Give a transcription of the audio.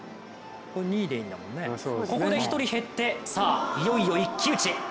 ここで１人減ってさあ、いよいよ一騎打ち。